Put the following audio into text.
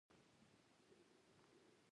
پښتورګي نسواري رنګ او لوبیا ته ورته بڼه لري.